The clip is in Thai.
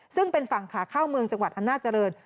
ซึ่งเป็นฝั่งขาเข้าเมืองจังหวัดอำนาจริง